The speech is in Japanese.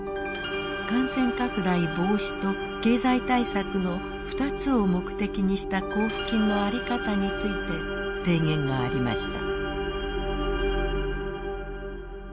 感染拡大防止と経済対策の２つを目的にした交付金のあり方について提言がありました。